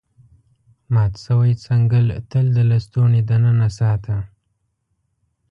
مات شوی څنګل تل د لستوڼي دننه ساته.